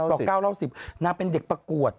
๙๙๑๐นางเป็นเด็กประกวด